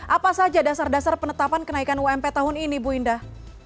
apa saja dasar dasar penetapan kenaikan ump tahun ini bu indah